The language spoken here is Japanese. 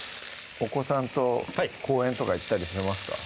お子さんと公園とか行ったりしますか？